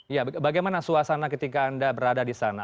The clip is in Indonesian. ya bagaimana suasana ketika anda berada di sana